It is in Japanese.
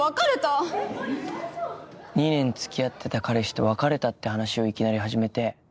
２年付き合ってた彼氏と別れたって話をいきなり始めて。